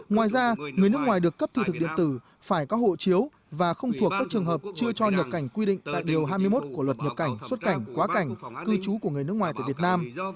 ngoài ra người nước ngoài được cấp thị thực điện tử phải có hộ chiếu và không thuộc các trường hợp chưa cho nhập cảnh quy định tại điều hai mươi một của luật nhập cảnh xuất cảnh quá cảnh cư trú của người nước ngoài tại việt nam